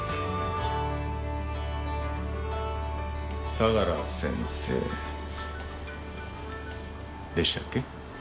相良先生でしたっけ？